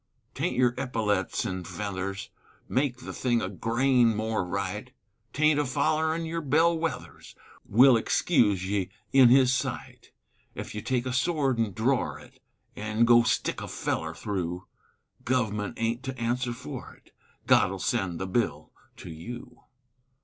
'Taint your eppyletts an' feathers Make the thing a grain more right; 'Taint afollerin' your bell wethers Will excuse ye in His sight; Ef you take a sword an' dror it, An' go stick a feller thru, Guv'ment aint to answer for it, God'll send the bill to you.